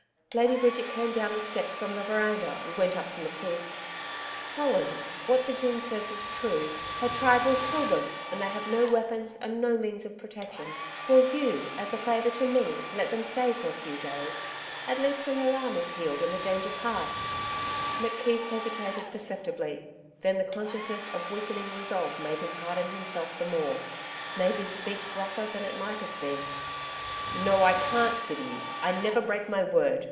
Lady Bridget came down the steps from the veranda and went up to McKeith. 'Colin, what the gin says is true. Her tribe will kill them, and they have no weapons and no means of protection. Will you, as a favour to me, let them stay for a few days? At least, till her arm is healed and the danger past?' McKeith hesitated perceptibly, then the consciousness of weakening resolve made him harden himself the more, made his speech rougher than it might have been. 'No, I can't, Biddy. I never break my word.